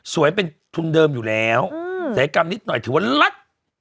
เป็นทุนเดิมอยู่แล้วศัยกรรมนิดหน่อยถือว่าลัด